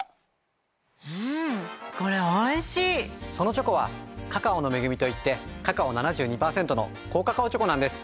そのチョコは「カカオの恵み」といってカカオ７２％の高カカオチョコなんです。